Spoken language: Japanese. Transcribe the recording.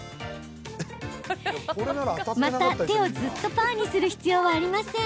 また、手をずっとパーにする必要はありません。